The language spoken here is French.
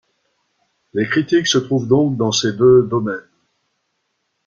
Les critiques se trouvent donc dans ces deux domaines.